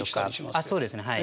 あっそうですね。